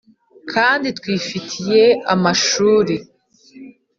kandi twifitiye amashuri,